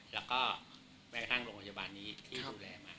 แล้วก็แม่ท่านโรงพยาบาลนี้ที่ดูแลมา